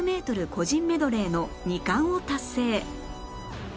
個人メドレーの２冠を達成